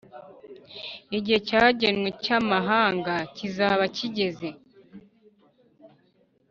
igihe cyagenwe cy’amahanga kizaba kigeze